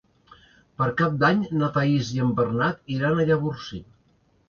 Per Cap d'Any na Thaís i en Bernat iran a Llavorsí.